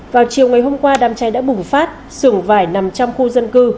vào chiều ngày hôm qua đám cháy đã bùng phát sưởng vải nằm trong khu dân cư